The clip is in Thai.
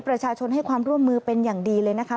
ประชาชนให้ความร่วมมือเป็นอย่างดีเลยนะคะ